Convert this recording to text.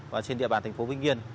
và trên địa bàn thành phố vĩnh yên